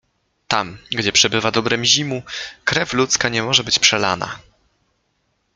Tam, gdzie przebywa dobre Mzimu, krew ludzka nie może być przelana.